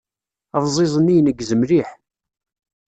Abẓiẓ-nni ineggez mliḥ.